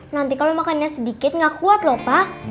nanti kalau makan yang sedikit gak kuat lho pak